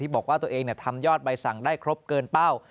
บอกว่าตัวเองทำยอดใบสั่งได้ครบเกินเป้า